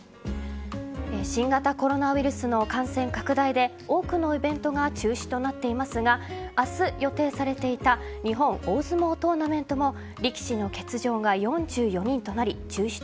新型コロナウイルスの感染拡大で多くのイベントが中止となってますが明日予定されていた日本大相撲トーナメントも